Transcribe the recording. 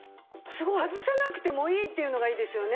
外さなくてもいいっていうのがいいですよね。